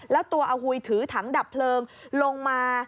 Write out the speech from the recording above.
แล้วตัวเอาหุยถือถังดับเพลิงลงมา